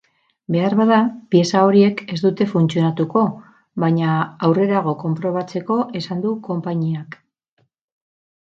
Beharbada pieza horiek ez dute funtzionatuko, baina aurrerago konprobatzeko esan du konpainiak.